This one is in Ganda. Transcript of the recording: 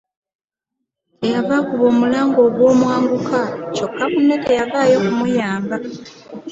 Kye yava akuba omulanga ogw'omwanguka kyokka munne teyavaayo kumuyamba.